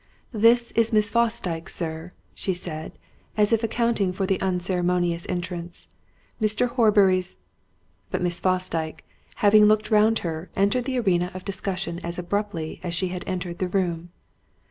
"This is Miss Fosdyke, sir," she said, as if accounting for the unceremonious entrance. "Mr. Horbury's " But Miss Fosdyke, having looked round her, entered the arena of discussion as abruptly as she had entered the room.